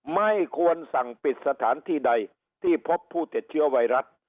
ไม่ควรสั่งปิดสถานที่ใดที่พบผู้ติดเชื้อไวรัส